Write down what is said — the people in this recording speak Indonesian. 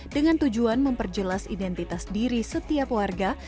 dengan tujuan memperjelas identitas diri setiap warga